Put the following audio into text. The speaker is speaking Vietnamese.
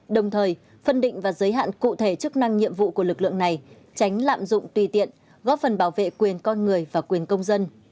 đồng thời phân định và giới hạn cụ thể chức năng nhiệm vụ của lực lượng này tránh lạm dụng tùy tiện góp phần bảo vệ quyền con người và quyền công dân